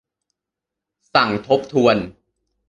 สั่งทบทวน